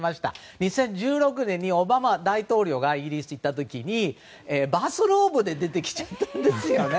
２０１６年にオバマ大統領がイギリスに行った時にバスローブで出てきちゃったんですよ。